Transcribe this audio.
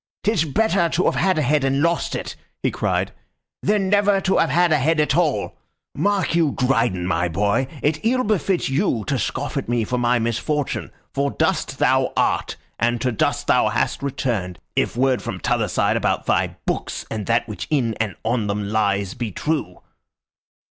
"'Tis better to have had a head and lost it," he cried, "than never to have had a head at all! Mark you, Dryden, my boy, it ill befits you to scoff at me for my misfortune, for dust thou art, and to dust thou hast returned, if word from t'other side about thy books and that which in and on them lies be true."